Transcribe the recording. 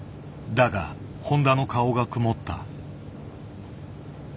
だが誉田の顔が曇った。